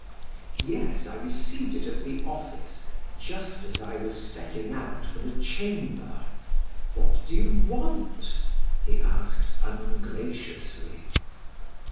"Yes, I received it at the office just as I was setting out for the Chamber. What do you want?" he asked ungraciously.